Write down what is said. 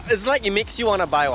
ini membuat kamu ingin membeli